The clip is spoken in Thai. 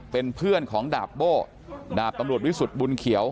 เป็นเพื่อนของดาบโบ้ดาบตำรวจวิสุทธิ์บุญเขียว